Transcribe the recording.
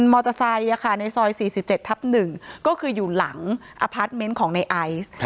มอเตอร์ไซค์ในซอย๔๗ทับ๑ก็คืออยู่หลังอพาร์ทเมนต์ของในไอซ์